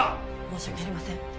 申し訳ありません。